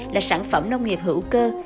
là sản phẩm nông nghiệp hữu cơ